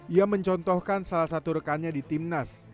ia mencontohkan salah satu rekannya di timnas